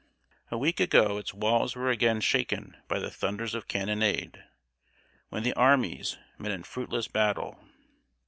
A week ago its walls were again shaken by the thunders of cannonade, when the armies met in fruitless battle.